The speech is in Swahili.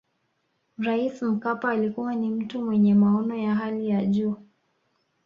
rais mkapa alikuwa ni mtu mwenye maono ya hali ya juu